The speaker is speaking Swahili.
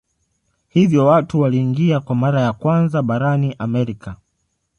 Hivyo watu waliingia kwa mara ya kwanza barani Amerika.